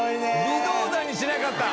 微動だにしなかった。